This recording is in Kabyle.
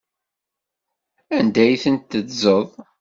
Anda ay tent-teddzeḍ?